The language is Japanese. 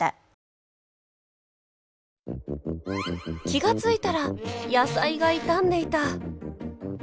気が付いたら野菜が傷んでいた。